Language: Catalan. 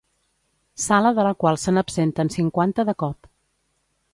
Sala de la qual se n'absenten cinquanta de cop.